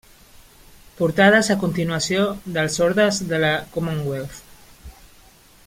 Portades a continuació dels Ordes de la Commonwealth.